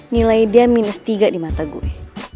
nilai dia minus tiga di mata gue